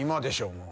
もう。